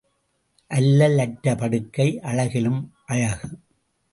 அல்லல் அற்ற படுக்கை அழகிலும் அழகு.